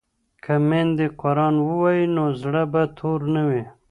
که میندې قران ووايي نو زړه به تور نه وي.